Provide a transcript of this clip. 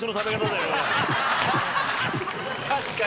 確かに。